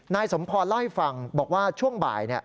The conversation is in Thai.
นายสมพรเล่าให้ฟังบอกว่าช่วงบ่าย